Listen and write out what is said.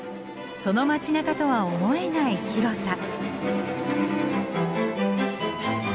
その街なかとは思えない広さ。